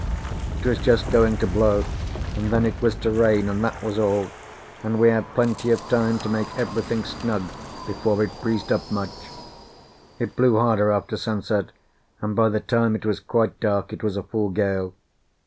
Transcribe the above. It was just going to blow, and then it was to rain, that was all; and we had plenty of time to make everything snug before it breezed up much. It blew harder after sunset, and by the time it was quite dark it was a full gale.